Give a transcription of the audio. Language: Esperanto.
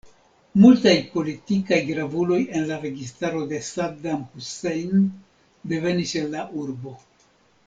Multaj politikaj gravuloj en la registaro de Saddam Hussein devenis el la urbo.